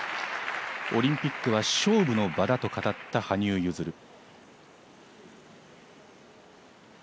オリンピックは勝負の場だと語った羽生結弦。